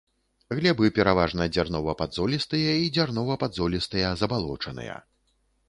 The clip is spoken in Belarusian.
Глебы пераважна дзярнова-падзолістыя і дзярнова-падзолістыя забалочаныя.